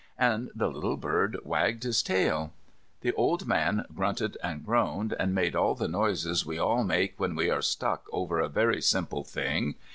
and the little bird wagged its tail. The old man grunted and groaned, and made all the noises we all make when we are stuck over a very simple thing.